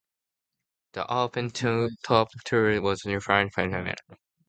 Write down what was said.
The open-topped turret was fitted with wire mesh anti-grenade screens.